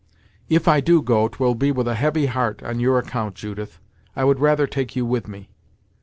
"If I do go, 'twill be with a heavy heart on your account, Judith; I would rather take you with me."